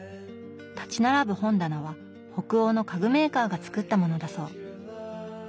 立ち並ぶ本棚は北欧の家具メーカーが作ったものだそう。